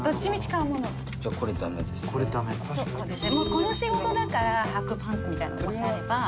この仕事だからはくパンツみたいなのがもしあれば。